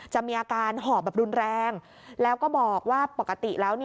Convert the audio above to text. จะมีอาการหอบแบบรุนแรงแล้วก็บอกว่าปกติแล้ว